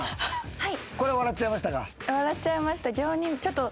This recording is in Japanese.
はい。